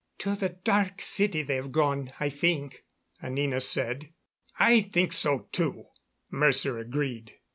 "To the Dark City they have gone, I think," Anina said. "I think so, too," Mercer agreed.